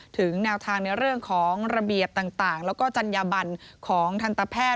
ถึงแนวทางในเรื่องของระเบียบต่างแล้วก็จัญญาบันของทันตแพทย